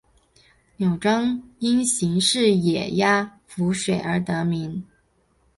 凫庄因形似野鸭浮水而得名。